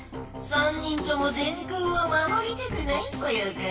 ３人とも電空をまもりたくないぽよか？